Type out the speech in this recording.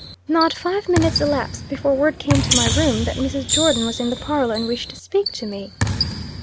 Not five minutes elapsed before word came to my room that Mrs. Jordon was in the parlor and wished to speak to me.